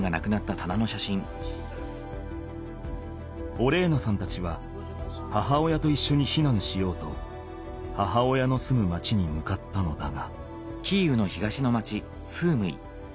オレーナさんたちは母親といっしょに避難しようと母親の住む町に向かったのだが。